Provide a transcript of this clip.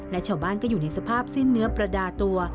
และชาวบ้านก็อยู่ในสภาพสิ้นเนื้อประดาตัว